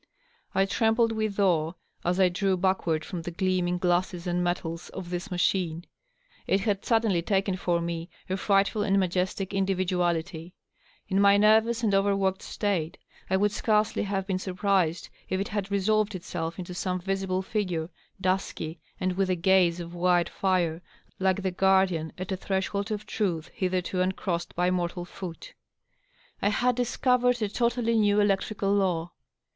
I trembled with awe as I drew backward from the gleaming glasses and metals of this machine. It had suddenly taken for me a frightful and majestic individuality. In my nervous and overworked state I would scarcely have been surprised if it had resolved itself into some visible figure, dusky and with a gaze of white fire, like the guardian at a threshold of truth hitherto uncrcSsed by mortal foot. I had discovered a totally new electrical law.